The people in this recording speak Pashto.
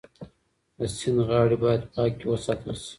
د سیند غاړې باید پاکې وساتل شي.